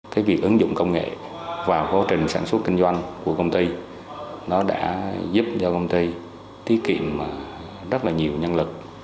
cái việc ứng dụng công nghệ vào hô trình sản xuất kinh doanh của công ty nó đã giúp cho công ty tiết kiệm rất là nhiều nhân lực